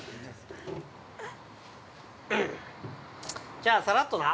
◆じゃあ、さらっとな。